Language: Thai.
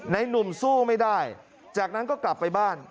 หนุ่มสู้ไม่ได้จากนั้นก็กลับไปบ้าน